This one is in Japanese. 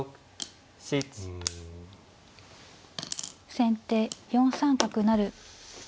先手４三角成。